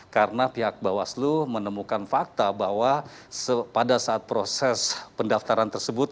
karena pihak bawah seluruh menemukan fakta bahwa pada saat proses pendaftaran tersebut